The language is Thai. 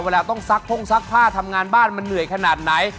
เวลาต้องซักพ่งซักผ้าทำงานบ้านมันเหนื่อยขนาดไหน